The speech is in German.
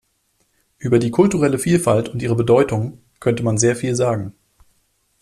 Über die kulturelle Vielfalt und ihre Bedeutung könnte man sehr viel sagen.